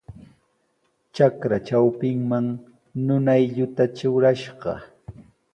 Trakra trawpinman nunaylluta trurashqa.